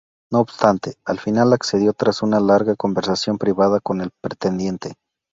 No obstante, al final accedió tras una larga conversación privada con el pretendiente.